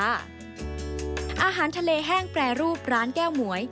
อาหารทะเลแห้งแปรรูปร้านแก้วหมวย